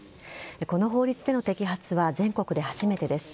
この法律の摘発は全国で初めてです。